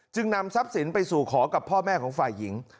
นำทรัพย์สินไปสู่ขอกับพ่อแม่ของฝ่ายหญิง